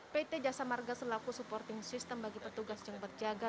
pt jasa marga selaku supporting system bagi petugas yang berjaga